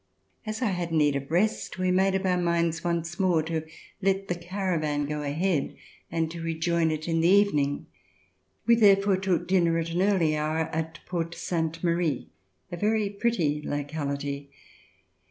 As I had need of rest, we made up our minds once more to let the caravan go ahead and to rejoin it in the evening. We therefore took dinner at an early hour at Port Sainte Marie, a very pretty locality.